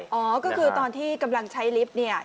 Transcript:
อ๋อก็คือตอนที่กำลังใช้ลิฟต์เนี่ย